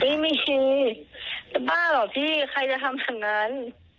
ไม่มีบ้าเหรอพี่ใครจะทำแบบนั้น